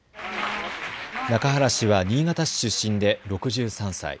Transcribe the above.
中原氏は新潟市出身で６３歳。